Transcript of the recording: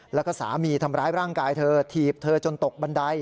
แล้วก็สามีทำร้ายร่างกายเธอถีบเธอจนตกบันได